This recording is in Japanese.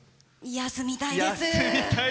休みたいです。